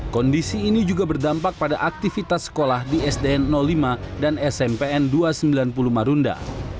kondisi ini juga berdampak pada aktivitas sekolah di sdn lima dan smpn dua ratus sembilan puluh marunda